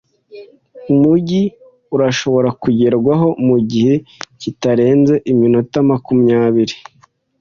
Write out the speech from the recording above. Umujyi urashobora kugerwaho mugihe kitarenze iminota makumyabiri